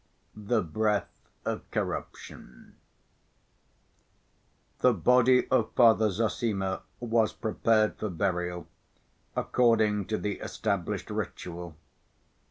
The Breath Of Corruption The body of Father Zossima was prepared for burial according to the established ritual.